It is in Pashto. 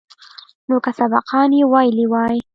نو که سبقان يې ويلي واى.